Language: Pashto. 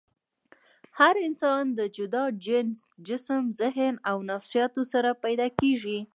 هر انسان د جدا جينز ، جسم ، ذهن او نفسياتو سره پېدا کيږي